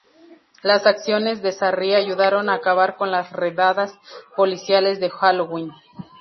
Las acciones de Sarria ayudaron a acabar con las redadas policiales de Halloween.